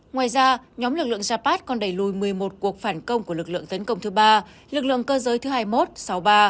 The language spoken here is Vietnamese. ngoài ra nhóm lực lượng japat còn đẩy lùi một mươi một cuộc phản công của lực lượng tấn công thứ ba lực lượng cơ giới thứ hai mươi một sáu mươi ba